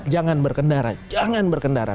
jangan berkendara jangan berkendara